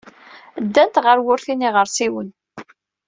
Ddant ɣer wurti n yiɣersiwen.